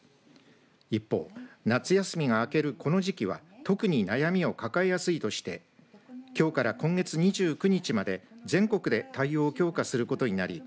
一方、夏休みが明けるこの時期は特に悩みを抱えやすいとしてきょうから今月２９日まで全国で対応を強化することになり